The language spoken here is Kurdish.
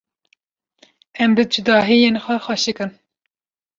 Em bi cudahiyên xwe xweşik in.